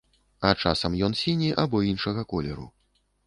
А часам ён сіні або іншага колеру.